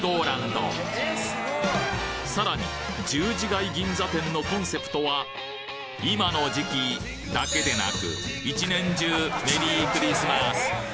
さらに十字街銀座店のコンセプトは今の時期だけでなく一年中メリークリスマス！